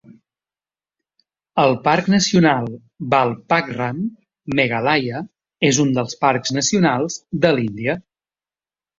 El parc nacional Balpakram, Meghalaya, és un dels parcs nacionals de l'Índia.